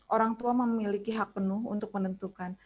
orang tua memiliki hak penuh untuk menentukan